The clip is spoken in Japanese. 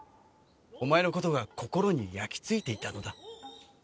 お前の事が心に焼きついていたのだ。